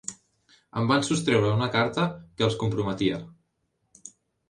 Em van sostreure una carta que els comprometia.